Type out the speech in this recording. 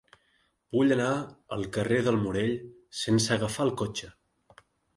Vull anar al carrer del Morell sense agafar el cotxe.